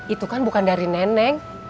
itu kan bukan dari neneng